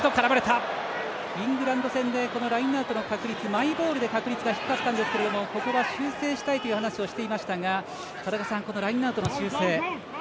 イングランド戦でこのラインアウトの確率が低かったんですが修正したいという話をしていましたが田中さん、ラインアウトの修正。